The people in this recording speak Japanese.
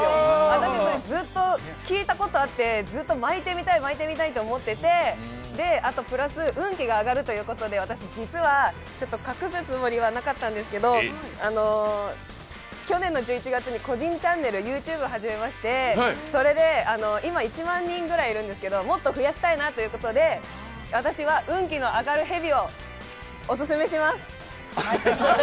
私、ずっと聞いたことがあって、巻いてみたいと思っていてあとプラス、運気が上がるということで、私、実は隠すつもりはなかったんですけど、去年の１１月に個人チャンネルＹｏｕＴｕｂｅ始めましてそれで今、１万人ぐらいいるんですけど、もっと増やしたいなということで、私は運気の上がるへびをお勧めします。